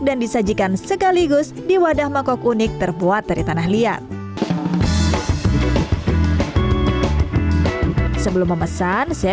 dan disajikan sekaligus di wadah mangkok unik terbuat dari tanah liat sebelum memesan saya